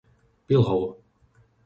Pilhov